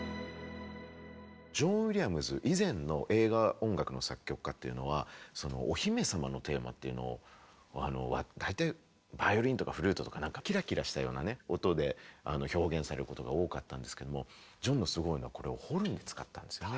ジョン・ウィリアムズ以前の映画音楽の作曲家っていうのはお姫様のテーマっていうのを大体バイオリンとかフルートとかなんかキラキラしたようなね音で表現されることが多かったんですけどもジョンのすごいのはこれをホルン使ったんですよね。